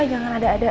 jangan ada alasan